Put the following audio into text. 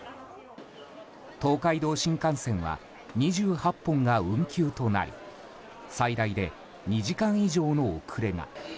東海道新幹線は２８本が運休となり最大で２時間以上の遅れが。